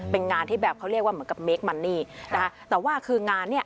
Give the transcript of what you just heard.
เป็นงานที่แบบเขาเรียกว่าเหมือนกับเมคมันนี่นะคะแต่ว่าคืองานเนี่ย